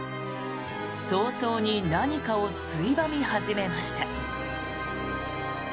早々に何かをついばみ始めました。